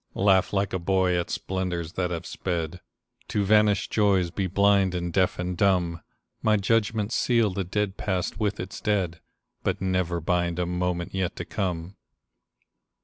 Laugh like a boy at splendors that have sped, To vanished joys be blind and deaf and dumb; My judgments seal the dead past with its dead, But never bind a moment yet to come.